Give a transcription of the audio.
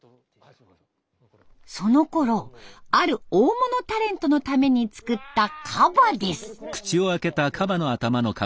そのころある大物タレントのために作ったカバです。